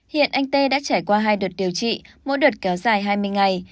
hiện anh tê đã trải qua hai đợt điều trị mỗi đợt kéo dài hai mươi ngày